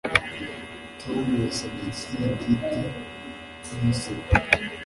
Tom yasabye ikiringiti numusego